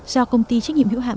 do công ty trách nhiệm hữu hạm